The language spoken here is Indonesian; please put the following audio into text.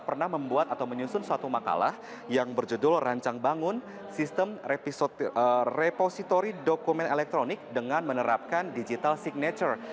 pernah membuat atau menyusun suatu makalah yang berjudul rancang bangun sistem repository dokumen elektronik dengan menerapkan digital signature